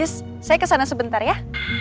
saya kesana sebentar ya